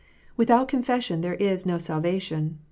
Without confession there is no salvation.